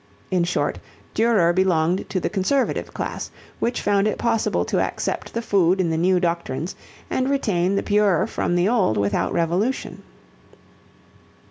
In short Durer belonged to the Conservative class which found it possible to accept the food in the new doctrines and retain the pure from the old without revolution.